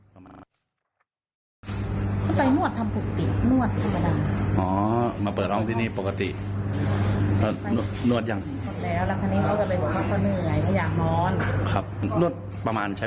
ก็ยังพูดจากอะไรกับเราอยู่ไหน